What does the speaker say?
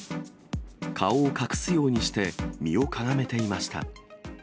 顔を隠すようにして、身をかがめていました。